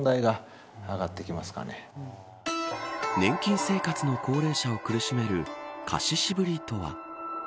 年金生活の高齢者を苦しめる貸し渋りとは。